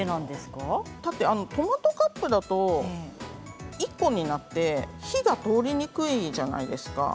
トマトカップだと１個になって火が通りにくいじゃないですか。